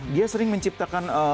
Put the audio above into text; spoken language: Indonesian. dia sering menciptakan